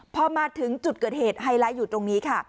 พอมาถึงจุดเกิดเหตุไฮไลท์อยู่ตรงนี้ค่ะ